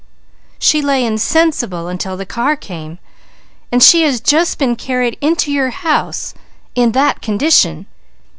She lay insensible until the car came, and she has just been carried into your house in that condition.'